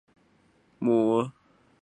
母金氏。